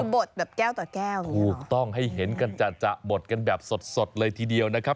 บดแบบแก้วต่อแก้วถูกต้องให้เห็นกันจัดบดกันแบบสดสดเลยทีเดียวนะครับ